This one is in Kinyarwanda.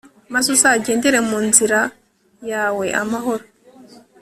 Maze uzagendere mu nzira yawe amahoro